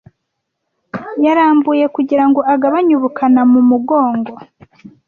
Yarambuye kugira ngo agabanye ubukana mu mugongo.